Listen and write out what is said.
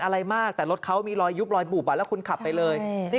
อะไรมากแต่รถเขามีรอยยุบรอยบุบอ่ะแล้วคุณขับไปเลยนี่